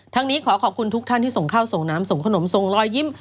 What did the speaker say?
นี้ขอขอบคุณทุกท่านที่ส่งข้าวส่งน้ำส่งขนมส่งรอยยิ้ม